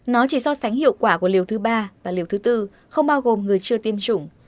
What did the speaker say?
nó chỉ so sánh hiệu quả của liều thứ ba và liều thứ tư không bao gồm người chưa tiêm chủng